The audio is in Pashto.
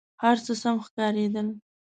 هر څه سم ښکارېدل.